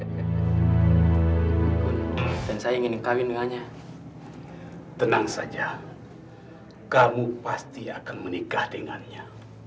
pasti pasti dan saya ingin nikahin dengannya tenang saja kamu pasti akan menikah dengannya